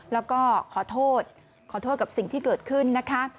แล้วก็ขอโทษขอโทษกับสิ่งที่เกิดขึ้นนะคะ